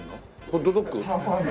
ホットドッグ？